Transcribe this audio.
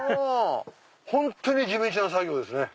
本当に地道な作業ですね。